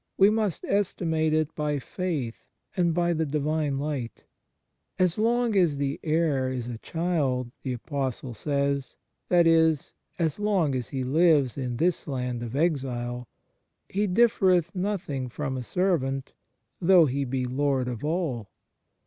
We must estimate it by faith and by the Divine Light. " As long as the heir is a child," the Apostle says that is, as long as he lives in this land of exile " he differeth nothing from a servant, though he be Lord of all."